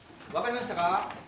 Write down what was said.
分かりましたか？